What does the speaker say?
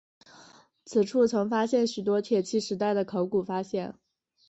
此处曾发现许多铁器时代的考古发现。